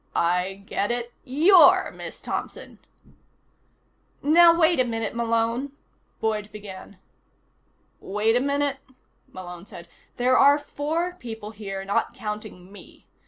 "I get it. You're Miss Thompson." "Now, wait a minute, Malone," Boyd began. "Wait a minute?" Malone said. "There are four people here, not counting me.